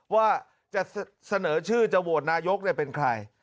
ว่าจะเสนอชื่อจะโหวตนายกเป็นใคร